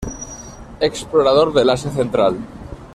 Explorador del Asia Central.